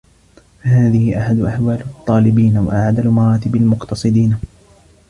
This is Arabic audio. فَهَذِهِ أَحَدُ أَحْوَالُ الطَّالِبِينَ ، وَأَعْدَلُ مَرَاتِبِ الْمُقْتَصِدِينَ